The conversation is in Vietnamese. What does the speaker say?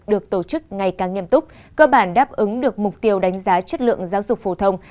được tổ chức ngày càng nghiêm túc cơ bản đáp ứng được mục tiêu đánh giá chất lượng giáo dục phổ thông